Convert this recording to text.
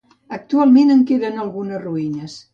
Actualment en queden algunes ruïnes.